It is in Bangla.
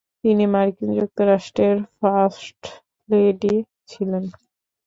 তিনি মার্কিন যুক্তরাষ্ট্রের ফার্স্ট লেডি ছিলেন।